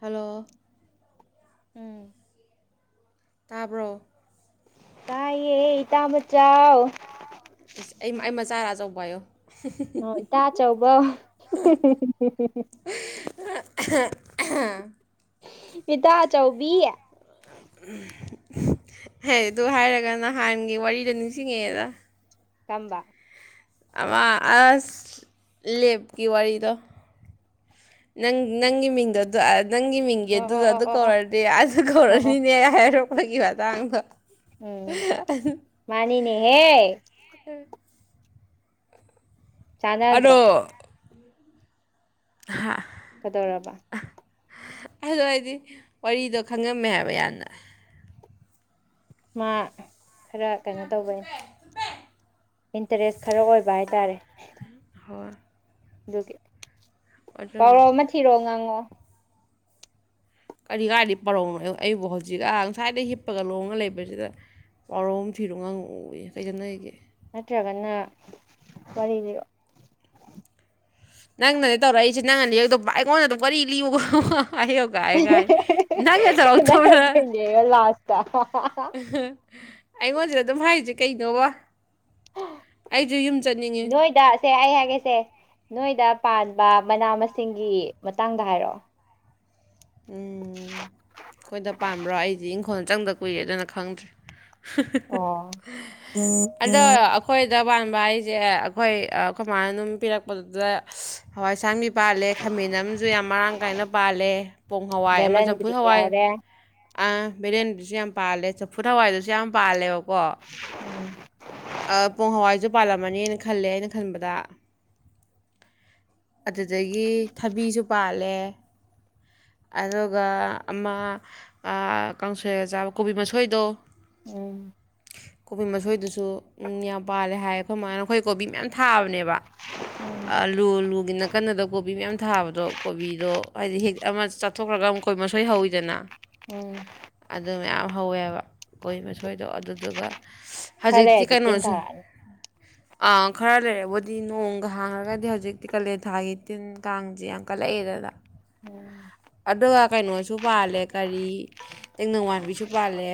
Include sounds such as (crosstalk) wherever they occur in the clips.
Hello ꯎꯝ ꯇꯥꯕ꯭ꯔꯣ ꯇꯌꯦ ꯏꯇꯃꯥꯆꯧ ꯏꯁ ꯑꯩ ꯑꯩ ꯃꯆꯥꯔꯥ ꯑꯆꯧꯕꯔ ꯍꯥꯏꯌꯨ ꯍꫭ ꯏꯇꯥ ꯑꯆꯧꯕ (inaudible) ꯏꯇꯥ ꯑꯆꯧꯕꯤ ꯍ ꯑꯗꯨ ꯍꯥꯏꯔꯒ ꯅꯍꯥꯟꯒꯤ ꯋꯥꯔꯤꯗꯣ ꯅꯤꯡꯁꯤꯡꯉꯛꯑꯦꯗ ꯀꯝꯕ ꯑꯃ ꯑꯁ ꯂꯦꯞꯀꯤ ꯋꯥꯔꯤꯗꯣ ꯅꯪ ꯅꯪꯒꯤ ꯃꯤꯡꯗꯣ ꯑꯗꯨ ꯅꯪꯒꯤ ꯃꯤꯡꯒꯤ ꯑꯣ ꯑꯣ ꯑꯗꯨꯗ ꯑꯣ ꯑꯗꯨ ꯑꯣ ꯑꯣ ꯀꯧꯔꯗꯤ ꯑꯥ ꯑꯣ ꯑꯣ ꯀꯧꯔꯅꯤꯅꯦ ꯑꯩ ꯍꯥꯏꯔꯣ ꯕꯒꯤ ꯃꯥꯇꯡꯗ ꯎꯝ ꯃꯥꯅꯤꯅꯦ ꯍꯦ ꯆꯅꯥꯗ꯭ꯔꯣ ꯍꯥꯥ ꯀꯗꯧꯔꯕ ꯑꯗꯨ ꯑꯩꯗꯤ ꯋꯥꯔꯤꯗꯣ ꯈꯪꯉꯝꯃꯦ ꯍꯥꯏꯕ ꯌꯥꯝꯅ ꯃꯥ ꯈꯔ ꯀꯩꯅꯣ ꯇꯧꯕꯅꯦ ꯏꯟꯇꯔꯦꯁ ꯈꯔ ꯑꯣꯏꯕ ꯍꯥꯏꯇꯥꯔꯦ ꯍꯣꯏ ꯑꯗꯨꯒꯤ ꯑꯗꯨ ꯄꯥꯎꯔꯧ ꯑꯃ ꯊꯤꯔꯛꯑꯣ ꯉꯥꯡꯉꯣ ꯀꯔꯤ ꯀꯥꯏꯗꯒꯤ ꯄꯔꯧꯅꯣ ꯑꯩꯕꯨ ꯍꯧꯖꯤꯛ ꯑ ꯉꯁꯥꯏꯗꯩ ꯍꯤꯞꯄꯒ ꯂꯣꯡꯉ ꯂꯩꯕꯁꯤꯗ ꯄꯔꯧ ꯊꯤꯔꯣ ꯉꯪꯉꯛꯑꫭꯌꯦꯏ ꯀꯩꯗ ꯆꯟꯅꯔꯤꯒꯦ ꯅꯠꯇ꯭ꯔꯒꯅ ꯋꯥꯔꯤꯗꯤ ꯅꯪꯅꯅꯦ ꯇꯧꯔꯛꯏꯁꯦ ꯅꯪꯅ ꯂꯤꯔꯛ ꯇꯧꯕ ꯑꯩꯉꯣꯟꯗ ꯑꯗꯨꯝ ꯋꯥꯔꯤ ꯂꯤꯌꯨꯒ ꯍꯥꯏꯌꯣ ꯒꯥꯏꯑ ꯒꯥꯏ ꯅꯪꯒ ꯇꯧꯔꯛꯇꯔ ꯈꯠꯅꯔꯛꯇꯣꯏꯅꯦꯕ ꯂꯥꯁꯇ ꯑꯩꯉꯣꯟꯁꯤꯗ ꯑꯗꯨꯝ ꯍꯥꯏꯁꯤ ꯀꯩꯗꯧꯕ ꯅꯣꯏ ꯇꯁꯦ ꯑꯩ ꯍꯦꯛ ꯆꯒꯦꯁꯦ ꯅꯣꯏꯗ ꯄꯥꯟꯕ ꯃꯅꯥ ꯃꯁꯤꯡꯒꯤ ꯃꯇꯥꯡꯗ ꯍꯥꯏꯔꯛꯑꯣ ꯎꯝ ꯑꯩꯈꯣꯏꯗ ꯄꯥꯝꯕ꯭ꯔꯣ ꯑꯩꯗꯤ ꯏꯪꯈꯣꯜ ꯆꯪꯗ ꯀꯨꯏꯦ ꯑꯗꯨꯅ ꯈꯪꯗ꯭ꯔꯦ ꯑꯣ (unintelligible) ꯑꯗꯣ ꯑꯩꯈꯣꯏꯗ ꯄꯥꯟꯕ ꯍꯥꯏꯁꯦ ꯑꯩꯈꯣꯏ ꯈꯨꯃꯥꯏꯅ ꯑꯗꯨꯝ ꯄꯤꯔꯛꯄꯗꯨꯗ ꯍꯋꯥꯏꯁꯥꯡꯕꯤ ꯄꯥꯜꯂꯦ ꯈꯥꯃꯦꯟ ꯑꯃꯁꯨ ꯌꯥꯝ ꯃꯔꯥꯡ ꯀꯥꯏꯅ ꯄꯥꯜꯂꯦ ꯄꯣꯡ ꯍꯋꯥꯏ ꯑꯃ ꯆꯝꯐꯨꯠ ꯕꯦꯂꯟꯗ꯭ꯔꯤ ꯍꯋꯥꯏ ꯌꯥꯎꯔꯦ ꯑ ꯕꯤꯔꯌꯥꯅꯤꯗꯨꯁꯨ ꯌꯥꯝ ꯄꯥꯜꯂꯦ ꯆꯐꯨ ꯍꯋꯥꯏꯗꯨꯁꯨ ꯌꯥꯝ ꯄꯥꯜꯂꯦꯕ ꯀꯣ ꯄꯨꯡ ꯍꯋꯥꯏꯖ ꯄꯥꯜꯂꯝꯃꯅꯤꯅ ꯈꯜꯂꯦ ꯑꯩꯅ ꯈꯟꯕꯗ ꯑꯗꯨꯗꯒꯤ ꯊꯕꯤꯁꯨ ꯄꯥꯜꯂꯦ ꯑꯗꯨꯒ ꯑꯃ ꯀꯥꯡꯁꯣꯏ ꯆꯥꯕ ꯀꯣꯕꯤ ꯃꯁꯣꯏꯗꯣ ꯎꯝ ꯀꯣꯕꯤ ꯃꯁꯣꯏꯗꯨꯁꯨ ꯎ ꯌꯥꯝ ꯄꯥꯜꯂꯦ ꯍꯥꯏ ꯑꯩꯈꯣꯏ ꯃꯃꯅ ꯑꯩꯈꯣꯏ ꯀꯣꯕꯤ ꯃꯌꯥꯝ ꯊꯥꯕꯅꯦꯕ ꯎꯝ ꯑꯂꯨ ꯑꯂꯨꯒꯤ ꯅꯥꯀꯟꯟꯅꯗ ꯀꯣꯕꯤ ꯃꯌꯥꯝ ꯊꯥꯕꯗꯣ ꯀꯣꯕꯤꯗꯣ ꯍꯥꯏꯗꯤ ꯍꯦꯛ ꯑꯃ ꯆꯥꯊꯣꯛꯈ꯭ꯔꯒ ꯑꯃ ꯃꯈꯛꯣꯏ ꯃꯁꯣꯏ ꯍꯧꯋꯤꯗꯅ ꯎꯝ ꯑꯗꯨ ꯃꯌꯥꯝ ꯍꯧꯋꯦꯕ ꯀꯨꯣꯏ ꯃꯊꯣꯏꯗꯣ ꯑꯗꯨꯗꯨꯒ ꯍꯧꯖꯤꯛꯇꯤ ꯈꯔꯦꯗꯤꯇꯅ ꯀꯩꯅꯣꯁꯨ ꯇꯥꯔꯅꯤ ꯈꯔ ꯂꯩꯔꯦꯕꯨꯗꯤ ꯅꯣꯡꯒ ꯍꯥꯡꯉꯒꯗꯤ ꯍꯧꯖꯤꯛꯇꯤ ꯀꯥꯂꯦꯟꯊꯥꯒꯤ ꯇꯤꯟ ꯀꯥꯡꯁꯦ ꯌꯥꯝ ꯀꯠꯂꯛꯑꯦꯗꯅ ꯎꯝ ꯀꯩꯅꯣꯁꯨ ꯄꯥꯜꯂꯦ ꯀꯔꯤ ꯇꯦꯡꯅꯧꯋꯥꯟꯕꯤꯁꯨ ꯄꯥꯜꯂꯦ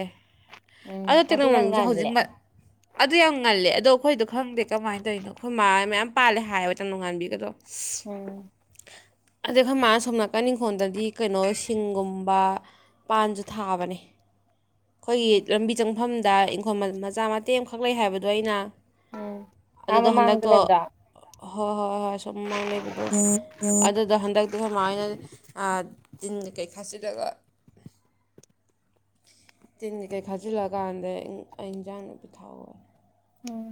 ꯎꯝ ꯑꯗꯣ ꯑꯗꯨꯅ ꯇꯦꯛꯅꯣꯂꯣꯁꯦ ꯉꯜꯂꯦ ꯍꯧꯖꯤꯛꯃꯛ ꯑꯗꯨ ꯌꯥꯝ ꯉꯜꯂꯦ ꯑꯗꯣ ꯑꯩꯈꯣꯏꯗꯣ ꯈꯪꯗꯦ ꯀꯃꯥꯏꯅ ꯇꯧꯔꯤꯅꯣ ꯑꯩꯈꯣꯏ ꯃꯥꯥꯏ ꯃꯌꯥꯝ ꯄꯥꯜꯂꯦ ꯍꯥꯏꯕꯦ ꯅꯣꯡꯉꯥꯟꯕꯤꯒꯗꯣ ꯎꯝ ꯑꯗꯩ ꯑꯩꯈꯣꯏ ꯃꯥꯅ ꯁꯣꯝ ꯅꯥꯀꯟꯅꯤꯡꯈꯣꯜꯗꯗꯤ ꯀꯩꯅꯣ ꯁꯤꯡꯒꯨꯝꯕ ꯄꯥꯟꯁꯨ ꯊꯥꯕꯅꯤ ꯑꯩꯈꯣꯏꯒꯤ ꯎꯝ ꯂꯝꯕꯤ ꯆꯪꯐꯝ ꯗ ꯏꯪꯈꯣꯜ ꯃꯆꯥ ꯃꯇꯦꯛ ꯑꯃꯈꯛ ꯂꯩ ꯍꯥꯏꯕꯗꯣ ꯑꯩꯅ ꯎꯝ ꯁꯥ ꯑꯗꯨꯗꯣ ꯃꯃꯥꯡꯗ ꯍꯟꯗꯛꯇꯣ ꯂꯩꯕ꯭ꯔꯣ ꯍꯣꯏ ꯍꯣꯏ ꯍꯣꯏ ꯁꯨꯝ ꯃꯃꯥꯡ ꯂꯩꯕꯗꯣ ꯑꯗꯨꯗ ꯍꯟꯗꯛ ꯑꯗꯨꯒꯣꯏ ꯃꯥꯥꯅ ꯇꯤꯟ ꯀꯩꯈꯥꯁꯤꯂꯒ ꯇꯤꯟ ꯀꯀꯩ ꯈꯥꯖꯤꯜꯂꯀꯥꯟꯗ ꯑꯩ ꯏꯟꯁꯥꯡ ꯅꯥꯄꯤꯊꯥꯎ ꯎꯝ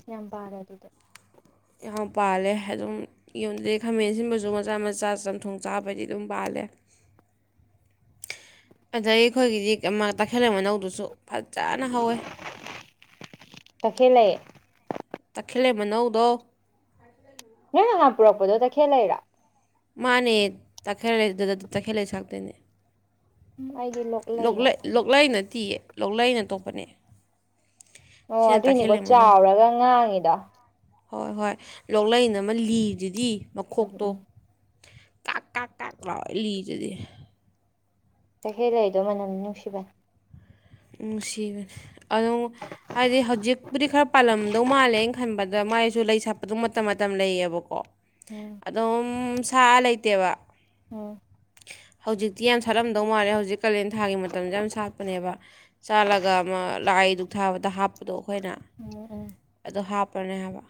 ꯀꯌꯥꯝ ꯄꯥꯜꯂꯤ ꯑꯗꯨꯗꯤ ꯌꯥꯝ ꯄꯥꯜꯂꯦ ꯑꯗꯨꯝ ꯌꯨꯝꯗꯩ ꯈꯥꯃꯦꯟ ꯑꯁꯤꯟꯕꯁꯨ ꯃꯆꯥ ꯃꯆꯥ ꯆꯝꯊꯣꯡ ꯆꯥꯕꯗꯤ ꯑꯗꯨꯝ ꯄꯥꯜꯂꯦ ꯑꯗꯩ ꯑꯩꯈꯣꯏꯒꯤꯗꯤ ꯇꯈꯦꯜ ꯂꯩ ꯃꯅꯧꯗꯨꯁꯨ ꯐꯖꯅ ꯍꯧꯋꯦ ꯇꯈꯦꯜꯂꯩ ꯇꯈꯦꯜꯂꯩ ꯃꯅꯧꯗꯣ ꯅꯪ ꯉꯍꯥꯟ ꯄꯨꯔꯛꯄꯗꯣ ꯇꯈꯦꯜꯂꯩꯔꯣ ꯃꯥꯅꯦ ꯇꯛꯈꯦꯜꯂꯩ ꯗꯨꯗ ꯇꯈꯦꯜꯂꯩ ꯁꯥꯠꯇꯣꯏꯅꯦ ꯎꯝ ꯑꯩꯗꯤ ꯂꯣꯛ ꯂꯩꯔꯥ ꯂꯣꯛꯂꯩ ꯈꯟꯕ ꯂꯣꯛꯂꯩ ꯅꯠꯇꯤꯌꯦ ꯂꯣꯛꯂꯩꯅ ꯑꯇꯣꯞꯄꯅꯦ ꯑꯣ ꯁꯤꯅ ꯑꯗꯨꯏꯅꯤꯀꯣ ꯇꯈꯦꯜꯂꯩ ꯃꯅꯧ ꯆꯥꯎꯔꯒ ꯉꯥꯡꯉꯤꯗ ꯍꯣꯏ ꯍꯣꯏ ꯂꯣꯛꯂꯩꯟꯅ ꯑꯃ ꯂꯤꯗꯨꯗꯤ ꯎꯝ ꯃꯈꯣꯛꯇꯣ ꯎꯝ ꯀꯥꯛ ꯀꯥꯛ ꯀꯥꯛ ꯂꯥꯎꯔ ꯂꯤꯗꯨꯗꯤ ꯇꯈꯦꯜ ꯂꯩꯗꯣ ꯃꯅꯝꯗꯤ ꯅꯨꯡꯁꯤꯕꯅꯤ ꯎꯝ ꯅꯨꯡꯁꯤꯕꯅꯤ ꯑꯗꯣ ꯍꯥꯏꯗꯤ ꯍꯧꯖꯤꯛꯄꯨꯗꯤ ꯈꯔ ꯄꯥꯜꯂꯝꯗꯧ ꯃꯥꯜꯂꯦ ꯑꯩ ꯈꯟꯕꯗ ꯃꯥꯏꯁꯨ ꯂꯩ ꯁꯥꯠꯄꯗꯣ ꯃꯇꯝ ꯃꯇꯝ ꯂꯩꯌꯦꯕꯀꯣ ꯎꯝ ꯑꯗꯨꯝ ꯁꯥꯠꯂ ꯂꯩꯇꯦꯕ ꯎꯝ ꯍꯧꯖꯤꯛꯇꯤ ꯌꯥꯝ ꯁꯥꯠꯂꯝꯗꯧ ꯃꯥꯜꯂꯦ ꯍꯧꯖꯤꯛ ꯀꯥꯂꯦꯟ ꯊꯥꯒꯤ ꯃꯇꯝꯁꯦ ꯌꯥꯝ ꯁꯥꯠꯄꯅꯦꯕ ꯁꯥꯠꯂꯒ ꯑꯃ ꯂꯥꯏꯗꯨꯛ ꯊꯥꯕꯗ ꯍꯥꯞꯄꯗꯣ ꯑꯩꯈꯣꯏꯅ ꯎꯝ ꯎꯝ ꯑꯗꯨ ꯍꯥꯞꯄꯅꯦ ꯍꯥꯏꯕ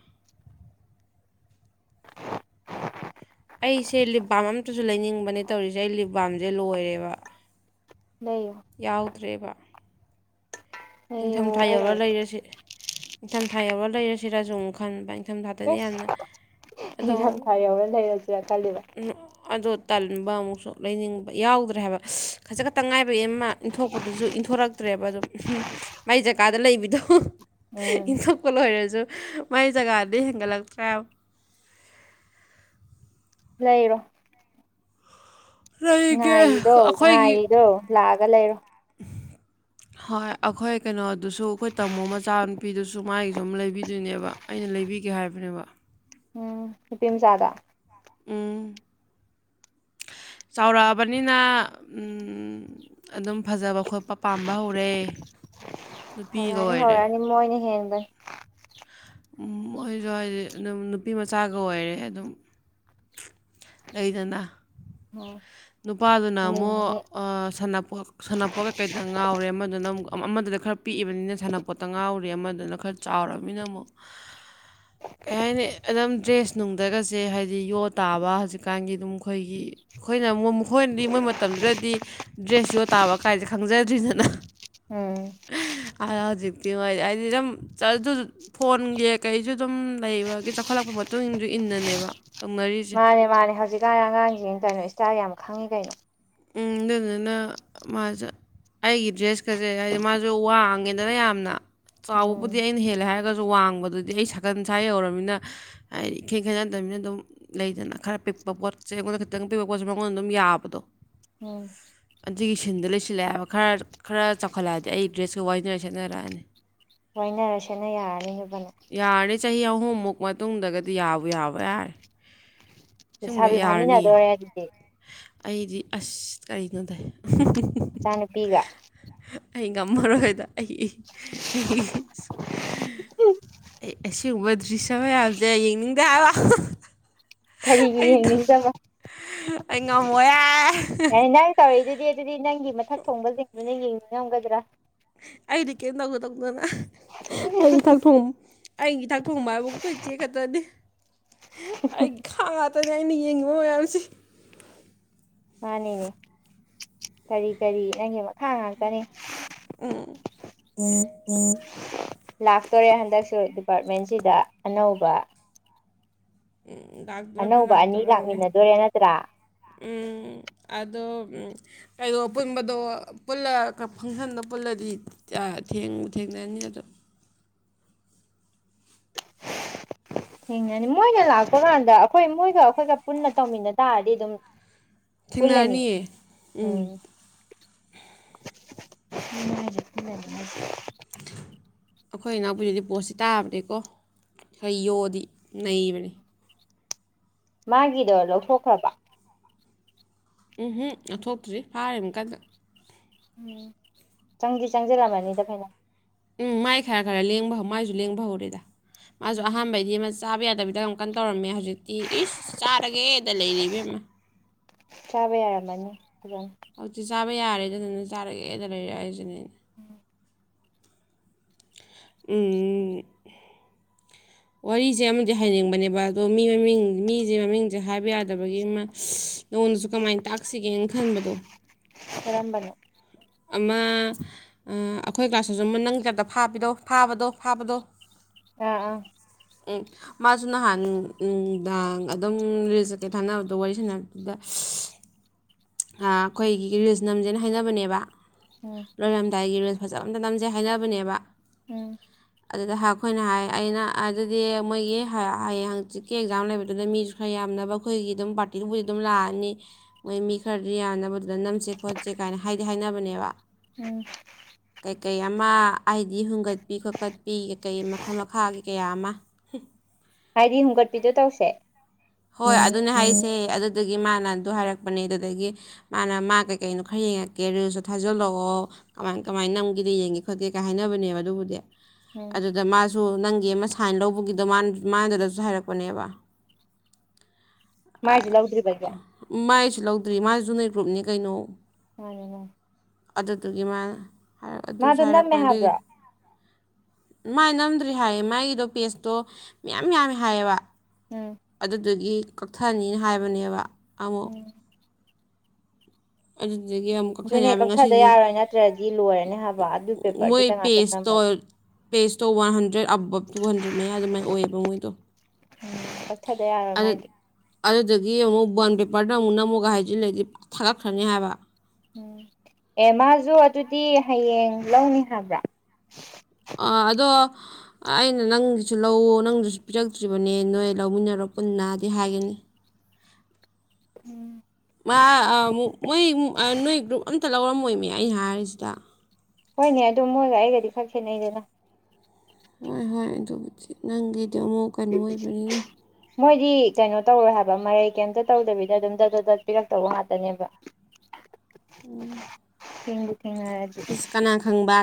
ꯑꯩꯁꯦ ꯂꯤꯞ ꯕꯥꯝ ꯑꯝꯇꯁꯨ ꯂꯩꯅꯤꯡꯕꯅꯦ ꯇꯧꯔꯤꯁꯦ ꯑꯩ ꯂꯤꯞ ꯕꯥꯝꯁꯦ ꯂꯣꯏꯔꯦꯕ ꯂꯩꯌꯣ ꯇꯦꯕ ꯂꯩꯌꯣ ꯏꯪꯊꯝꯊꯥ ꯌꯧꯔ ꯂꯩꯔꯁꯤ ꯅꯤꯡꯊꯝꯊꯥ ꯌꯧꯔ ꯂꯩꯔꯁꯤ ꯂꯩꯁꯤꯔꯖꯨ ꯑꯃꯨꯛ ꯈꯟꯕ ꯑꯩꯅ ꯑꯁ ꯅꯤꯡꯊꯝ ꯊꯥ ꯌꯧꯔ ꯂꯩꯔꯁꯤꯔꯥ ꯈꯜꯂꯤꯕ ꯑꯗꯣ ꯇꯟꯕ ꯑꯃꯨꯛꯁꯨ ꯂꯩꯅꯤꯡꯕ ꯌꯥꯎꯗ꯭ꯔꯦ ꯍꯥꯏꯕ ꯈꯖꯤꯛ ꯈꯛꯇ ꯉꯥꯏꯕꯒꯤ ꯑꯃ ꯏꯟꯊꯣꯛꯄꯗꯁꯨ ꯏꯟꯊꯣꯔꯛꯇ꯭ꯔꯦꯕ ꯑꯗꯨꯝ ꯃꯥꯏ ꯖꯒꯥꯗ ꯂꯩꯕꯤꯗꯣ ꯎꯝ ꯏꯟꯊꯣꯛꯄ ꯂꯣꯏꯔꯖꯨ ꯃꯥꯏ ꯖꯒꯥꯗꯩ ꯍꯦꯟꯒꯠꯂꯛꯇ꯭ꯔꯦ ꯍꯥꯏꯕ ꯂꯩꯔꯣ ꯂꯩꯒꯦ ꯉꯥꯏꯔꯤꯗꯣ ꯑꯩꯈꯣꯏꯒꯤ ꯉꯥꯏꯔꯤꯗꯣ ꯂꯥꯛꯑꯒ ꯂꯩꯔꯣ ꯍꯣꯏ ꯑꯩꯈꯣꯏ ꯀꯩꯅꯣꯗꯨꯁꯨ ꯑꯩꯈꯣꯏ ꯇꯥꯃꯣ ꯃꯆꯥꯅꯨꯄꯤꯗꯨꯁꯨ ꯃꯥꯒꯤꯁꯨ ꯑꯃ ꯂꯩꯕꯤꯗꯣꯏꯅꯦꯕ ꯑꯩꯅ ꯂꯩꯕꯤꯒꯦ ꯍꯥꯏꯕꯅꯦꯕ ꯎꯝ ꯅꯨꯄꯤ ꯃꯆꯥꯥꯗꯣ ꯎꯝ ꯆꯥꯎꯔꯛꯑꯕꯅꯤꯅ ꯎꯝ ꯑꯗꯨꯝ ꯐꯖꯕ ꯈꯣꯠꯄ ꯄꯥꯝꯕ ꯍꯧꯔꯦ ꯅꯨꯄꯤꯒ ꯍꯧꯔꯛꯑꯅꯤ ꯑꯣꯏꯔꯦ ꯍꯧꯔꯛꯑꯅꯤ ꯃꯣꯏꯅ ꯍꯦꯟꯕꯅꯤ ꯃꯣꯏꯁꯨ ꯍꯥꯏꯗꯤ ꯑꯗꯨꯝ ꯅꯨꯄꯤꯃꯆꯥꯒ ꯑꯣꯏꯔꯦ ꯑꯗꯨꯝ ꯂꯩꯗꯅ ꯎꯝ ꯅꯨꯄꯥꯗꯨꯅ ꯅꯤꯅꯤ ꯑꯃꯨꯛ ꯑ ꯁꯥꯟꯅꯄꯣꯠꯀ ꯀꯩꯇꯪ ꯉꯥꯎꯔꯦ ꯑꯃꯗꯨꯅ ꯑꯃꯨꯛ ꯑꯃꯗꯨꯗ ꯈꯔ ꯄꯤꯛꯏꯕꯅꯤꯅ ꯁꯥꯟꯅꯄꯣꯠꯇ ꯉꯥꯎꯔꯤ ꯑꯃꯗꯨꯅ ꯈꯔ ꯆꯥꯎꯅꯤꯅ ꯑꯃꯨꯛ ꯀꯩ ꯍꯥꯏꯅꯤ ꯑꯗꯨꯝ ꯗ꯭ꯔꯦꯁ ꯅꯨꯡꯗꯒꯁꯦ ꯍꯥꯏꯗꯤ ꯌꯣ ꯇꯥꯕ ꯍꯧꯖꯤꯛꯀꯥꯟꯒꯤ ꯑꯗꯨꯝ ꯑꯩꯈꯣꯏꯒꯤ ꯑꯩꯈꯣꯏꯅ ꯃꯈꯣꯏꯅꯗꯤ ꯃꯣꯏ ꯃꯇꯝꯗꯨꯗꯗꯤ ꯗ꯭ꯔꯦꯁ ꯌꯣ ꯇꯥꯕ ꯀꯥꯏꯁꯦ ꯈꯪꯖꯗ꯭ꯔꯤꯗꯅ ꯎꯝ ꯑ ꯍꯧꯖꯤꯛꯇꯤ ꯑꯣꯏꯔꯗꯤ ꯍꯥꯏꯗꯤ ꯑꯗꯨꯝ ꯑꯗꯨ ꯐꯣꯟꯒꯤ ꯀꯩꯁꯨ ꯑꯗꯨꯝ ꯂꯩꯕꯒꯤ ꯆꯥꯎꯈꯠꯂꯛꯄ ꯃꯇꯨꯡ ꯏꯁꯨ ꯏꯟꯅꯅꯦꯕ ꯇꯧꯅꯔꯤꯁꯦ ꯃꯥꯅꯦ ꯃꯥꯅꯦ ꯍꯧꯖꯤ ꯀꯥꯟ ꯑꯉꯥꯡꯁꯤꯡ ꯇꯧꯏꯗꯣ ꯁ꯭ꯇꯥꯏꯜ ꯌꯥꯝ ꯈꯪꯉꯤ ꯀꯩꯅꯣ ꯎꯝ ꯗꯨꯗꯨꯅ ꯃꯥꯁꯦ ꯑꯩꯒꯤ ꯗ꯭ꯔꯦꯁꯀꯁꯦ ꯍꯥꯏꯗꯤ ꯃꯥꯁꯨ ꯋꯥꯡꯉꯦꯗꯅ ꯌꯥꯝꯅ ꯎꯝ ꯆꯥꯎꯕꯕꯨꯗꯤ ꯑꯩꯅ ꯍꯦꯂꯦ ꯍꯥꯏ ꯈꯁꯨ ꯋꯥꯡꯕꯗꯨꯗꯤ ꯑꯩ ꯁꯒꯟ ꯁꯥꯏ ꯌꯨꯔꯕꯅꯤꯅ ꯍꯥꯏꯗꯤ ꯏꯈꯦ ꯈꯩꯠꯅꯗꯕꯅꯤꯅ ꯑꯗꯨꯝ ꯂꯩꯗꯅ ꯈꯔ ꯄꯤꯛꯄ ꯄꯣꯠ ꯆꯩ ꯑꯩꯉꯣꯟꯗ ꯈꯤꯇꯪ ꯄꯤꯛꯄ ꯄꯣꯠꯁꯦ ꯃꯉꯣꯟꯗ ꯑꯗꯨꯝ ꯌꯥꯕꯗꯣ ꯎꯝ ꯗꯨꯒꯤ ꯁꯤꯟꯗꯣ ꯂꯣꯏꯁꯤꯜꯂꯛꯑꯦ ꯍꯥꯏꯕ ꯈꯔ ꯈꯔ ꯆꯥꯎꯈꯠꯂꯛꯑꯗꯤ ꯑꯩ ꯗ꯭ꯔꯦꯁꯀ ꯋꯥꯏꯅꯔ ꯁꯦꯠꯅꯔꯛꯑꯅꯤ꯫ ꯋꯥꯏꯅꯔ ꯁꯦꯠꯅ ꯌꯥꯔꯅꯤ ꯅꯕꯅꯤ ꯍꯨꯝꯃꯨꯛ ꯃꯇꯨꯡꯗꯒꯗꯤ ꯌꯥꯕꯨ ꯌꯥꯕ ꯌꯥꯔꯦ ꯁꯤꯒꯨꯝꯕ ꯂꯩꯁꯥꯕꯤ ꯌꯥꯔꯅꯤ ꯐꯥꯃꯤꯟꯅꯗꯣꯔꯦ ꯑꯗꯨꯗꯤ ꯑꯩꯗꯤ ꯑꯁ ꯀꯩꯅꯣꯗ ꯆꯥꯅꯨꯄꯤꯒ ꯑꯩ ꯉꯝꯃꯔꯣꯏꯗ ꯑꯩ ꯏ ꯑꯩ ꯏꯁ ꯎ ꯑꯁꯤꯒꯨꯝꯕ ꯗ꯭ꯔꯤꯁꯥ ꯃꯌꯥꯝꯁꯦ ꯌꯦꯡꯅꯤꯡꯗꯦ ꯍꯥꯏꯕ ꯀꯔꯤꯒꯤ ꯑꯩꯗꯣ ꯌꯦꯡꯅꯤꯡꯗꯕ ꯑꯩ ꯉꯝꯃꯣꯏ ꯑꯦ ꯐꯔꯦ ꯑꯗꯨꯗꯤ ꯑꯗꯨꯗꯤ ꯅꯪꯒꯤ ꯃꯊꯛ ꯊꯣꯡꯕꯁꯤꯡꯗꯨꯅ ꯌꯦꯡꯅꯤꯡꯉꯝꯒꯗ꯭ꯔꯥ ꯑꯩꯗꯤ ꯀꯩꯝ ꯇꯧꯗ ꯇꯧ ꯑꯗꯨꯅ ꯑꯩꯒꯤ ꯏꯊꯛ ꯊꯣꯡ ꯑꯩꯒꯤ ꯏꯊꯛ ꯊꯣꯡꯕ ꯍꯥꯏꯕꯕꯨ ꯑꯩꯈꯣꯏ ꯆꯦꯈꯛꯇꯅꯦ ꯑꯩ ꯈꯥꯉ ꯑꯗꯨꯅꯦ ꯑꯩꯅ ꯌꯦꯡꯉꯤꯕ ꯃꯌꯥꯝꯁꯦ ꯃꯥꯅꯤꯅꯦ ꯀꯔꯤ ꯀꯔꯤ ꯅꯪꯒꯤ ꯃꯈꯥ ꯉꯥꯛꯇꯅꯤ ꯎꯝ ꯎꯝ ꯎꯝ ꯂꯥꯛꯇꯣꯔꯦ ꯍꯟꯗꯛꯁꯨ ꯗꯤꯄꯥꯔꯠꯃꯦꯟꯁꯤꯗ ꯑꯅꯧꯕ ꯎꯝ ꯗꯥꯛꯇꯣꯔꯝꯅꯦ ꯑꯅꯧꯕ ꯑꯅꯤ ꯂꯥꯛꯇꯣꯔꯝꯅꯦ ꯂꯥꯛꯃꯤꯟꯅꯗꯣꯏꯔꯦ ꯅꯠꯇ꯭ꯔꯥ ꯎꯝ ꯑꯗꯣ ꯀꯩꯅꯣ ꯄꯨꯟꯕꯗꯣ ꯄꯨꯟꯂ ꯀ ꯐꯪꯁꯟꯗꯣ ꯄꯨꯜꯂꯗꯤ ꯑ ꯊꯦꯡꯕꯨ ꯊꯦꯡꯅꯅꯤ ꯅꯠꯇ꯭ꯔꯥ ꯊꯦꯡꯅꯅꯤ ꯃꯣꯏꯅ ꯂꯥꯛꯄ ꯀꯥꯟꯗ ꯑꯩꯈꯣꯏ ꯃꯣꯏꯒ ꯑꯩꯈꯣꯏꯒ ꯄꯨꯟꯅ ꯇꯧꯃꯤꯟꯅ ꯇꯥꯔꯗꯤ ꯑꯗꯨꯝ ꯄꯨꯜꯂꯅꯤ ꯊꯦꯡꯅꯔꯅꯤꯌꯦ ꯎꯝ ꯑꯗꯨꯅꯦ ꯍꯥꯏꯁꯦ (unintelligible) ꯑꯩꯈꯣꯏ ꯏꯅꯥꯎꯄꯤꯗꯨꯗꯤ ꯄꯣꯠꯁꯤ ꯇꯥꯕꯅꯤꯀꯣ ꯈꯔ ꯌꯣꯗꯤ ꯅꯩꯕꯅꯤ ꯃꯥꯒꯤꯗꯣ ꯂꯧꯊꯣꯛꯈ꯭ꯔꯕ ꯎꯝ ꯍꯝ ꯂꯧꯊꯣꯛꯣꯛꯇ꯭ꯔꯤ ꯐꯥꯔꯤꯝ ꯀꯟꯅ ꯎꯝ ꯆꯪꯗꯤ ꯆꯪꯁꯤꯂꯝꯃꯅꯤꯗ ꯐꯩꯅꯝ ꯎꯝ ꯃꯥꯏ ꯈꯔ ꯈꯔ ꯂꯦꯡꯕ ꯍꯧ ꯃꯥꯏꯁꯨ ꯂꯦꯡꯕ ꯍꯧꯔꯦꯗ ꯃꯥꯁꯨ ꯎꯝ ꯑꯍꯥꯟꯕꯩꯗꯤ ꯑꯃ ꯆꯥꯕ ꯌꯥꯗꯕꯤꯗ ꯌꯥꯝ ꯀꯟꯅ ꯇꯧꯔꯝꯃꯦ ꯍꯧꯖꯤꯛꯇꯤ ꯏꯁ ꯆꯥꯔꯒꯦꯗ ꯂꯩꯔꯦ ꯏꯕꯦꯝꯃ ꯆꯥꯕ ꯌꯥꯔꯝꯃꯅꯤ ꯐꯖꯅ ꯍꯧꯖꯤꯛꯇꯤ ꯆꯥꯕ ꯌꯥꯔꯦꯗ ꯅꯅ ꯆꯥꯔꯒꯦꯗ ꯂꯩꯔꯦ ꯑꯩꯁꯤꯅꯦ ꯎꯝ ꯋꯥꯔꯤꯁꯦ ꯑꯃꯗꯤ ꯍꯥꯏꯅꯤꯡꯕꯅꯦꯕ ꯑꯗꯣ ꯃꯤ ꯃꯃꯤꯡ ꯃꯤꯁꯦ ꯃꯃꯤꯡꯁꯦ ꯍꯥꯏꯕ ꯌꯥꯗꯕꯒꯤ ꯑꯃ ꯅꯉꯣꯟꯗꯁꯨ ꯀꯃꯥꯏꯅ ꯇꯥꯛꯁꯤꯒꯦꯅ ꯈꯟꯕꯗꯣ ꯝꯕꯅꯤ ꯑꯃ ꯑꯩꯈꯣꯏ ꯀꯥꯁꯤꯁꯨ ꯑꯃ ꯅꯪ ꯆꯇ ꯐꯥꯕꯤꯗꯣ ꯐꯥꯕꯗꯣ ꯐꯥꯕꯗꯣ ꯑꯥ ꯑꯥ ꯃꯥꯁꯨ ꯅꯍꯥꯟꯗꯥꯡ ꯑꯗꯨꯝ ꯔꯤꯜ ꯆꯠꯀꯩ ꯊꯥꯅꯕꯗꯣ ꯋꯥꯔꯤ ꯁꯥꯟꯅꯕꯗꯨꯗ ꯑꯩꯈꯣꯏꯒꯤ ꯔꯤꯖꯅꯝꯁꯦꯅ ꯍꯥꯏꯅꯕꯅꯦꯕ ꯎꯝ ꯂꯣꯏꯔꯝꯗꯥꯏꯒꯤ ꯐꯖꯕ ꯑꯝꯇ ꯅꯝꯖꯩ ꯍꯥꯏꯅꯕꯅꯦꯕ ꯎꯝ ꯑꯗꯨꯗ ꯑꯩꯈꯣꯏꯅ ꯍꯥꯏ ꯑꯩꯅ ꯑꯗꯨꯗꯤ ꯃꯣꯏꯒꯤ ꯍꯌꯦꯡ ꯍꯪꯆꯤꯠꯀꯤ ꯑꯦꯛꯖꯥꯝ ꯂꯩꯕꯗꯨꯗ ꯃꯤꯁꯨ ꯈꯔ ꯌꯥꯝꯅꯕ ꯑꯩꯈꯣꯏꯒꯤ ꯑꯗꯨꯝ ꯄꯥꯔꯇꯤꯗꯨꯕꯨꯗꯤ ꯑꯗꯨꯝ ꯂꯥꯛꯑꯅꯤ ꯃꯣꯏ ꯃꯤ ꯈꯔꯗꯤ ꯌꯥꯅꯕꯗꯨꯗ ꯅꯝꯁꯦ ꯈꯣꯠꯁꯦ ꯀꯥꯏꯅ ꯍꯥꯏꯗꯤ ꯍꯥꯏꯅꯕꯅꯦꯕ ꯎꯝ ꯀꯌꯥ ꯑꯃ ꯑꯥꯏꯗꯤ ꯍꯨꯡꯒꯠ ꯀꯠꯄꯤ ꯈꯣꯠꯀꯠꯄꯤ ꯀꯩ ꯀꯩ ꯃꯈꯜ ꯃꯈꯥꯒꯤ ꯀꯌꯥ ꯑꯃ ꯍ ꯍꯥꯏꯗꯤ ꯍꯣꯡꯒꯠꯄꯤꯗꯨꯣ ꯇꯧꯁꯦ ꯍꯣꯏ ꯑꯗꯨꯅꯦ ꯍꯥꯏꯁꯦ ꯑꯗꯨꯗꯒꯤ ꯃꯥꯅ ꯑꯗꯨ ꯍꯥꯏꯔꯛꯄꯅꯦ ꯑꯗꯨꯗꯒꯤ ꯃꯥꯅ ꯃꯥ ꯀꯩꯀꯩꯅꯣ ꯈꯔ ꯌꯦꯡꯉꯛꯀꯦ ꯔꯤꯜꯁꯁꯨ ꯊꯥꯖꯤꯜꯂꯛꯑꯣ ꯀꯃꯥꯏ ꯀꯃꯥꯏꯅ ꯅꯝꯈꯤꯗ ꯌꯦꯡꯒꯦ ꯈꯣꯠꯀꯦ ꯀꯩ ꯍꯥꯏꯅꯕꯅꯦꯕ ꯑꯗꯨꯕꯨꯗꯤ ꯎꯝ ꯑꯗꯨꯗ ꯃꯥ ꯁꯨ ꯅꯪꯒꯤ ꯑꯃ ꯁꯥꯏꯟ ꯂꯧꯕꯒꯤꯗꯣ ꯃꯗꯨꯗꯁꯨ ꯍꯥꯏꯔꯛꯄꯅꯦꯕ ꯃꯥꯖꯤꯤ ꯂꯧ ꯎꯗ꯭ꯔꯤꯕꯌꯥ ꯁꯤ ꯂꯧꯗ꯭ꯔꯤ ꯃꯥ ꯖꯨꯅꯤꯔ ꯒ꯭ꯔꯨꯞꯅꯤ ꯀꯩꯅꯣ ꯑ ꯑꯗꯨꯗꯨꯒꯤ ꯃꯥ ꯍꯥꯏ ꯑꯗꯨꯁꯨ ꯍꯥꯏꯔꯛꯄ ꯅꯝꯃꯦ ꯑꯗꯨꯏꯗꯤ ꯍꯥꯏꯕ꯭ꯔꯣ ꯃꯥꯏꯅ ꯔꯤ ꯍꯥꯏꯌꯦ ꯃꯥꯒꯤꯗꯣ ꯄꯦꯁꯇꯣ ꯃꯌꯥꯝ ꯌꯥꯝꯃꯦ ꯍꯥꯏꯌꯦꯕ ꯎꯝ ꯑꯗꯨꯗꯨꯒꯤ ꯀꯛꯊꯅꯤꯅ ꯍꯥꯏꯕꯅꯦꯕ ꯎꯝ ꯑꯦꯗꯤ ꯑꯗꯒꯤ ꯑꯃꯨꯛ ꯀꯛꯊꯅꯤ ꯑꯗꯨꯅꯦ ꯍꯥꯏꯕ ꯀꯛꯊꯗ ꯉꯁꯤꯁ ꯌꯥꯔꯣꯏ ꯅꯠꯇ꯭ꯔꯗꯤ ꯂꯣꯏꯔꯅꯤ ꯍꯥꯏꯕ ꯑꯗꯨ ꯃꯣꯏ ꯄꯦꯄꯔꯗꯨꯗ ꯉꯥꯛꯇ ꯄꯦꯖꯇꯣ ꯅꯝꯃꯗꯤ ꯄꯦꯖꯇꯣ ꯋꯥꯟ ꯍꯟꯗ꯭ꯔꯦꯠ ꯑꯕꯞ ꯇꯨ ꯍꯟꯗ꯭ꯔꯦꯠ ꯃꯌꯥ ꯑꯗꯨꯃꯥꯏꯅ ꯑꯣꯏꯑꯕ ꯃꯣꯏꯗꯣ ꯎꯝ ꯆꯠꯊꯗ ꯌꯥꯔꯣꯏ ꯃꯥꯏꯗꯤ ꯑꯗꯨꯗꯒꯤ ꯑꯃꯨꯛ ꯕꯟ ꯄꯦꯄꯔꯗ ꯑꯃꯨꯛ ꯅ ꯑꯃꯨꯛꯒ ꯍꯥꯏꯖꯤꯜꯂꯗꯤ ꯊꯥꯒꯠꯈ꯭ꯔꯅꯤ ꯍꯥꯏꯕ ꯎꯝ ꯑꯦ ꯃꯥꯁꯨ ꯑꯗꯨꯗꯤ ꯍꯌꯦꯡ ꯂꯧꯅꯤ ꯍꯥꯏꯕ꯭ꯔꯥ ꯑꯗꯣ ꯑꯩꯅ ꯅꯪꯒꯤꯁꯨ ꯂꯧꯎ ꯅꯪꯗꯨꯁꯨ ꯄꯤꯔꯛꯇ꯭ꯔꯤꯕꯅꯦ ꯅꯣꯏ ꯂꯧꯃꯤꯟꯅꯔꯣ ꯄꯨꯟꯅꯗꯤ ꯍꯥꯏꯒꯅꯤ ꯎꯝ ꯃꯥ ꯃ ꯑꯣꯏꯃꯦ ꯑꯩ ꯍꯥꯏꯔꯤꯁꯤꯗ ꯍꯣꯏꯅꯦ ꯑꯗꯨ ꯃꯣꯏꯒ ꯑꯩꯒꯗꯤ ꯈꯔ ꯈꯦꯠꯅꯩꯗꯅ ꯍꯣꯏ ꯍꯣꯏ ꯑꯗꯨꯕꯨ ꯆ ꯅꯪꯒꯤ ꯑꯗꯨ ꯑꯃꯨꯛ ꯀꯩꯅꯨ ꯑꯣꯏꯕꯅꯤꯅ ꯃꯣꯏꯗꯤ ꯀꯩꯅꯣ ꯇꯧꯔꯣꯏ ꯍꯥꯏꯕ ꯃꯔꯩ ꯀꯩꯝꯇ ꯇꯧꯗꯕꯤꯗ ꯑꯗꯨꯝ ꯗ ꯗ ꯗ ꯄꯤꯔꯛꯇꯧꯕ ꯉꯥꯛꯇꯅꯦꯕ ꯎꯝ ꯍꯗꯤ ꯊꯦꯡꯅꯔ ꯑꯗꯨ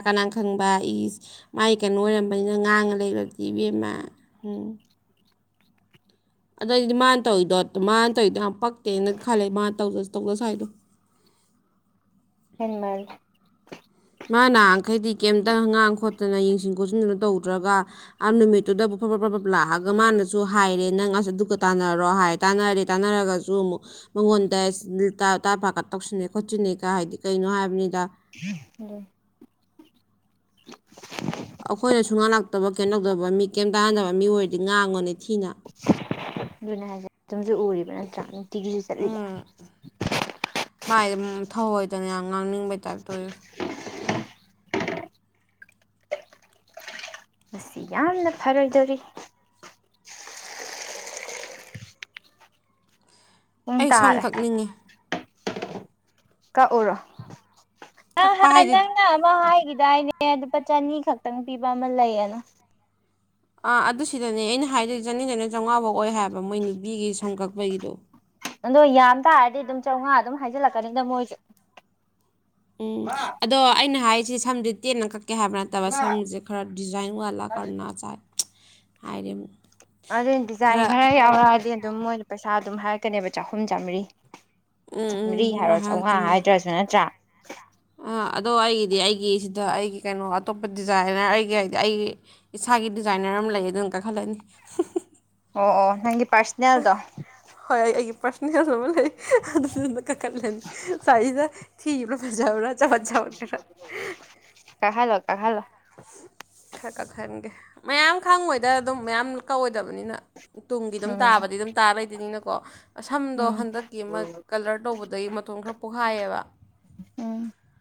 ꯀꯅꯥ ꯈꯪꯕ ꯏꯁ ꯃꯥꯏ ꯀꯩꯅꯣ ꯑꯣꯏꯔꯝꯕꯅꯤꯅ ꯉꯥꯡꯉ ꯂꯩꯈꯗꯤ ꯏꯕꯦꯝꯃ ꯎ ꯑꯗꯨꯗꯏꯗꯤ ꯃꯥꯅ ꯇꯧꯔꯤꯗꯣ ꯃꯥꯅ ꯇꯧꯔꯤꯗꯣ ꯌꯥꯝ ꯄꯛꯇꯦꯅ ꯈꯜꯂꯦ ꯃꯥꯅ ꯇꯧꯗ ꯇꯧꯗ ꯁ꯭ꯋꯥꯏꯗꯣ ꯍꯦꯟꯃꯜ ꯃꯥꯅꯈꯩꯗꯤ ꯀꯩꯝꯇ ꯍꯉꯥꯡ ꯈꯣꯠꯇꯅ ꯌꯦꯡꯁꯤꯟ ꯈꯣꯠꯆꯤꯟꯗꯅ ꯇꯧꯗ꯭ꯔꯒ ꯑ ꯅꯨꯃꯤꯠꯇꯨꯗꯕꯨ ꯐꯕꯕ ꯐ꯭ꯔꯕꯞ ꯂꯥꯛꯑꯒ ꯃꯥꯅꯁꯨ ꯍꯥꯏꯔꯦ ꯅꯪ ꯑꯁ ꯑꯗꯨꯒꯀ ꯇꯥꯟꯅꯔꯣ ꯍꯥꯏ ꯇꯥꯟꯅꯔꯦ ꯇꯥꯟꯅꯔꯒꯁꯨ ꯑꯃꯨꯛ ꯃꯉꯣꯟꯗꯥ ꯀ ꯇꯧꯁꯤꯟꯅꯦ ꯈꯣꯠꯁꯤꯟꯅꯦ ꯀ ꯍꯥꯏꯗꯤ ꯀꯩꯅꯣ ꯍꯥꯏꯕꯅꯤꯗ ꯎꯝ ꯑꯈꯣꯏ ꯁꯨꯍꯥꯟꯜꯂꯥꯛꯛꯇꯕ ꯀꯩꯅꯣꯧꯗꯕ ꯃꯤ ꯀꯩꯝ ꯇꯥꯍꯟꯗꯕ ꯃꯤ ꯑꯣꯏꯔꯗꯤ ꯉꯥꯡꯉꯅꯤ ꯊꯤꯅ ꯑꯗꯨꯅ ꯍꯥꯏꯁꯦ ꯑꯗꯨꯝꯁꯨ ꯎꯔꯤꯕ ꯅꯠꯇ꯭ꯔꯥ ꯇꯤꯒꯤꯁꯨ ꯆꯠꯂꯤꯕ ꯊꯧꯑꯣꯏꯗꯅ ꯌꯥꯝ ꯉꯥꯡꯅꯤꯡꯕꯩ ꯇꯥꯏꯞꯇ ꯑꯣꯏꯕ ꯁꯤ ꯌꯥꯝꯅ ꯐꯔꯣꯏꯗꯧꯔꯤ ꯄꯨꯡ ꯑꯩ ꯁꯝ ꯇꯥꯔꯦ ꯀꯛꯅꯤꯡꯉꯤ ꯀꯛꯎꯔꯣ ꯑ ꯀꯛꯄ ꯍꯥ ꯍꯥꯏꯗꯤ ꯅꯪꯃ ꯍꯥꯏꯒꯗꯑꯅꯦ ꯑꯦ ꯂꯨꯄꯥ ꯆꯅꯤ ꯈꯛꯇꯪ ꯄꯤꯕ ꯑꯃ ꯂꯩꯌꯦꯅ ꯑꯥ ꯑꯗꯨ ꯁꯤꯗꯅꯦ ꯑꯩꯅ ꯍꯥꯏꯗꯔꯤ ꯆꯅꯤꯗꯅ ꯆꯥꯝꯃꯉꯥꯐꯥꯎ ꯑꯣꯏ ꯍꯥꯏꯕ ꯃꯣꯏ ꯅꯨꯄꯤꯒꯤ ꯁꯪꯀꯛꯄꯒꯤꯗꯣ ꯑꯗꯣ ꯌꯥꯝ ꯇꯥꯔꯗꯤ ꯑꯗꯨꯝ ꯆꯥꯝꯃꯉꯥ ꯑꯗꯨꯝ ꯍꯥꯏꯖꯤꯜꯂꯛꯀꯅꯤꯗ ꯃꯣꯏꯁꯦ ꯎꯝ ꯑꯗꯣ ꯑꯩꯅ ꯍꯥꯏꯁ ꯁꯤ ꯁꯝꯗꯨ ꯇꯦꯟꯅ ꯀꯛ ꯀꯩ ꯍꯥꯏꯕ ꯅꯠꯇꯕ ꯏꯃꯥ ꯁꯝꯁꯦ ꯈꯔ ꯗꯤꯖꯥꯏꯟ ꯋꯥꯂꯥꯛ ꯈꯔꯅꯥꯆꯥꯥꯏꯠ ꯍꯥꯏꯔꯤꯕ ꯑꯗꯨ ꯗꯤꯖꯥꯏꯟ ꯈꯔ ꯌꯥꯎꯔꯛꯑꯗꯤ ꯑꯗꯨꯝ ꯃꯣꯏꯅ ꯄꯩꯁꯥ ꯑꯗꯨꯝ ꯍꯥꯏꯔꯛꯀꯅꯦꯕ ꯆꯍꯨꯝ ꯆꯥꯝꯃꯔꯤ ꯎꯝ ꯎꯝ ꯆꯥꯝꯃꯔꯤ ꯍꯥꯏꯔꯣ ꯑꯗꯨꯃꯥꯏꯅ ꯆꯥꯝꯃꯉꯥ ꯍꯥꯏꯔꯛꯇꯣꯏ ꯍꯥꯏꯗ꯭ꯔꯁꯨ ꯅꯠꯇ꯭ꯔꯥ ꯑꯗꯣ ꯑꯩꯒꯤꯗꯤ ꯑꯩꯒꯤꯁꯤꯗ ꯑꯩꯒꯤ ꯀꯩꯅꯣ ꯑꯇꯣꯞꯄ ꯗꯤꯖꯥꯏꯅꯔ ꯑꯩꯒꯤ ꯍꯥꯏꯗꯤ ꯑꯩꯒꯤ ꯏꯁꯥꯒꯤ ꯗꯤꯖꯥꯏꯅꯔ ꯑꯃ ꯂꯩ ꯑꯗꯨꯅ ꯀꯥꯏꯈꯠꯂꯅꯤ ꯑꯣ ꯑꯣ ꯅꯪ ꯍꯣꯏ ꯑꯩ ꯑꯩꯒꯤ ꯄꯥꯔꯁꯅꯦꯜ ꯑꯃ ꯂꯩ ꯑꯗꯨꯗꯨꯅ ꯀꯥꯈꯠꯂꯅꯤ ꯆꯥꯛꯏꯗ ꯊꯤꯔꯤꯕ꯭ꯔ ꯐꯖꯥꯕ꯭ꯔ (unintelligible) ꯄꯥꯍꯜꯂꯣ ꯈꯔ ꯀꯛꯍꯟꯒꯦ ꯃꯌꯥꯝ ꯈꯪꯉꯣꯏꯗ ꯑꯗꯨꯝ ꯃꯌꯥꯝ ꯀꯛꯑꯣꯏꯗꯕꯅꯤꯅ ꯇꯨꯡꯗꯤ ꯑꯗꯨꯝ ꯎꯝ ꯇꯥꯕꯗꯤ ꯑꯗꯨꯝ ꯇꯥ ꯂꯩꯗꯣꯅꯤꯅ ꯀꯣ ꯁꯝꯗꯣ ꯎꯝ ꯍꯟꯗꯛꯀꯤ ꯑꯃ ꯀꯂꯔ ꯇꯧꯕꯗꯩ ꯃꯇꯣꯟ ꯈꯔ ꯄꯣꯛꯈꯥꯏꯌꯦꯕ ꯎꯝ